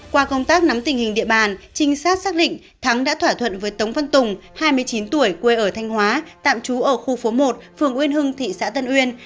qua công tác nắm tình hình địa bàn trinh sát xác định thắng đã thỏa thuận với tống văn tùng hai mươi chín tuổi quê ở thanh hóa tạm trú ở khu phố một phường uyên hưng thị xã tân uyên